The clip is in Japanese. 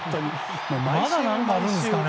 まだ何かあるんですかね